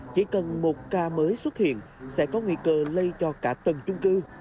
chỉ cần một ca mới xuất hiện sẽ có nguy cơ lây cho cả tầng chung cư